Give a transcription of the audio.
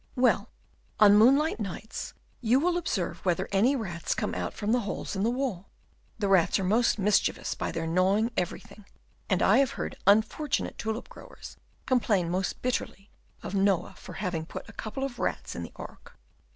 "Well, on moonlight nights you will observe whether any rats come out from the holes in the wall. The rats are most mischievous by their gnawing everything; and I have heard unfortunate tulip growers complain most bitterly of Noah for having put a couple of rats in the ark."